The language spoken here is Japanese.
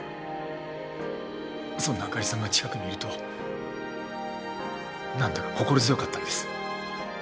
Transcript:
そんな朱莉さんが近くにいるとなんだか心強かったんです。